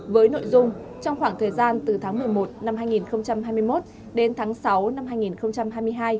với nội dung trong khoảng thời gian từ tháng một mươi một năm hai nghìn hai mươi một đến tháng sáu năm hai nghìn hai mươi hai